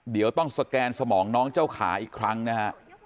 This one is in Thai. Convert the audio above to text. เดี๋ยวต้องสแกนสมองน้องเจ้าขาอีกครั้งนะฮะ